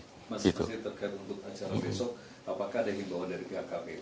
masih masih tergantung untuk acara besok apakah ada yang dibawa dari pihak kpu